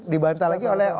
dibantah lagi oleh